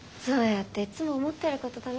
そうやっていつも思ってること